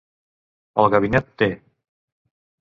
El Gabinet T